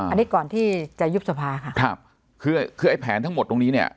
อันนี้ก่อนที่จะยุบสภาค่ะครับคือคือไอ้แผนทั้งหมดตรงนี้เนี่ย